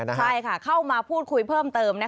ใช่ค่ะเข้ามาพูดคุยเพิ่มเติม